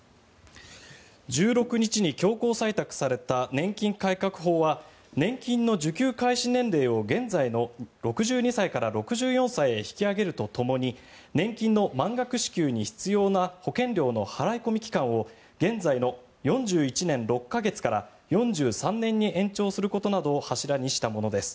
１６日に強行採択された年金改革法は年金の受給開始年齢を現在の６２歳から６４歳に引き上げるとともに年金の満額支給に必要な保険料の払込期間を現在の４１年６か月から４３年に延長することなどを柱にしたものです。